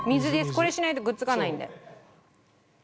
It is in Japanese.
これしないとくっつかないので。